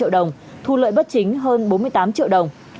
triệu đồng thu lợi bất chính hơn bốn mươi tám triệu đồng